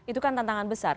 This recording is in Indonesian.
itu kan tantangan besar